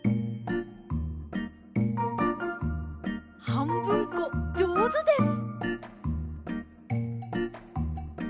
はんぶんこじょうずです！